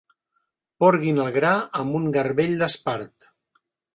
Porguin el gra amb un garbell d'espart.